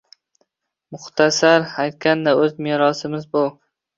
Muxtasar aytganda, o‘z merosimiz bu.